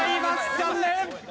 残念！